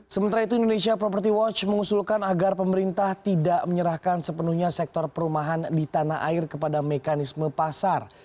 sementara itu indonesia property watch mengusulkan agar pemerintah tidak menyerahkan sepenuhnya sektor perumahan di tanah air kepada mekanisme pasar